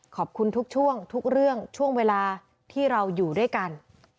ขอบคุณทุกช่วงทุกเรื่องช่วงเวลาที่เราอยู่ด้วยกัน